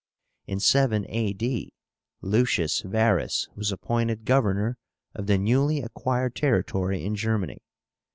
In 7 A.D. Lucius Varus was appointed governor of the newly acquired territory in Germany.